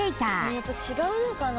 やっぱ違うのかな？